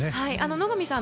野上さん